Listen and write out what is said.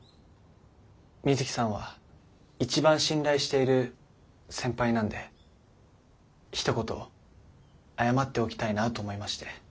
水木さんは一番信頼している先輩なんでひと言謝っておきたいなと思いまして。